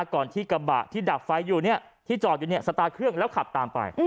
ก่อนที่กระบะที่ดับไฟอยู่ที่จอดอยู่เนี่ยสตาร์ทเครื่องแล้วขับตามไป